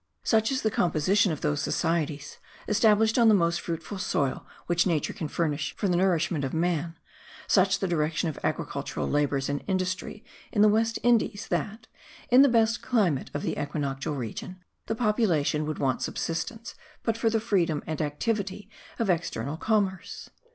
Such is the composition of those societies established on the most fruitful soil which nature can furnish for the nourishment of man, such the direction of agricultural labours and industry in the West Indies, that, in the best climate of the equinoctial region, the population would want subsistence but for the freedom and activity of external commerce.